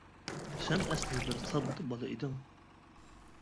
سەن ئەسلى بىر ساددا بالا ئىدىڭ.